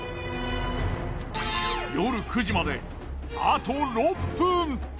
夜９時まであと６分。